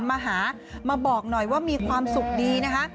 มาหามาบอกหน่อยว่ามีความสุขดีนะคะ